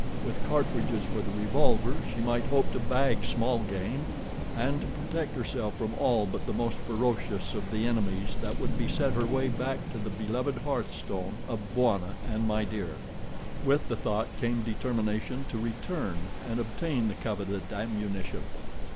With cartridges for the revolver she might hope to bag small game, and to protect herself from all but the most ferocious of the enemies that would beset her way back to the beloved hearthstone of Bwana and My Dear. With the thought came determination to return and obtain the coveted ammunition.